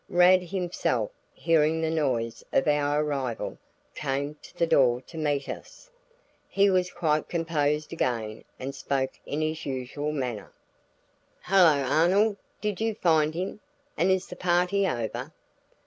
Rad himself, hearing the noise of our arrival, came to the door to meet us. He was quite composed again and spoke in his usual manner. "Hello, Arnold! Did you find him, and is the party over?"